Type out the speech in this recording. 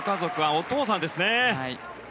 お父さんですね。